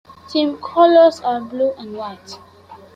The team's colors are blue and white.